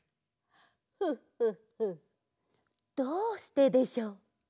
フッフッフッどうしてでしょう？